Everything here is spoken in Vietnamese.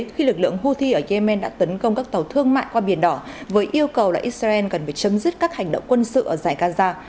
khi lực lượng houthi ở yemen đã tấn công các tàu thương mại qua biển đỏ với yêu cầu là israel cần phải chấm dứt các hành động quân sự ở giải gaza